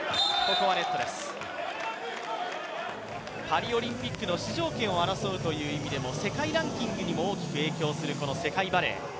パリオリンピックの出場権を争う意味でも世界ランキングにも大きく影響するこの世界バレー。